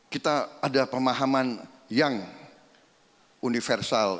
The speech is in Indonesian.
kita ada pemahaman yang universal